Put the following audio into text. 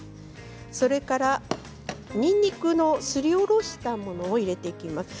それから、にんにくのすりおろしたものを入れていきます。